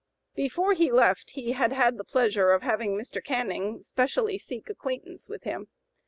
Before he left he had the pleasure of having Mr. Canning specially seek acquaintance with him.